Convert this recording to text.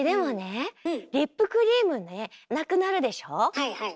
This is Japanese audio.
はいはい。